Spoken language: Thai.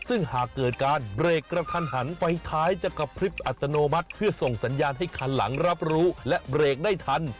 ซึ่งหากเกิดการเบรกกระทันหันไฟท้ายจะกระพริบอัตโนมัติเพื่อส่งสัญญาณให้คันหลังรับรู้และเบรกได้ทัน